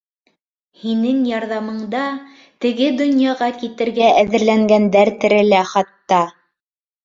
Һинең ярҙамыңда теге донъяға китергә әҙерләнгәндәр терелә, хатта!